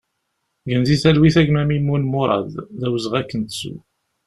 Gen di talwit a gma Mimun Murad, d awezɣi ad k-nettu!